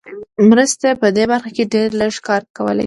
مرستې په دې برخه کې ډېر لږ کار کولای شي.